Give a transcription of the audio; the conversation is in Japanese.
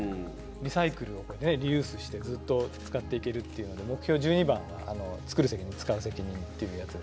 リサイクルをこうねリユースしてずっと使っていけるっていうので目標１２番が作る責任使う責任っていうやつですれけども。